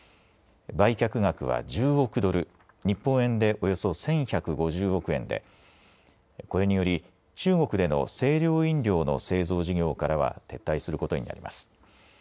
売却額は１０億ドル、日本円でおよそ１１５０億円でこれにより中国での清涼飲料の製造事業からは撤退することになります。